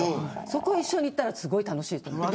そこに一緒に行ったらすごく楽しいと思う。